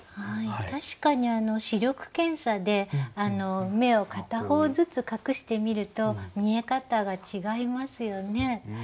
確かに視力検査で目を片方ずつ隠してみると見え方が違いますよね。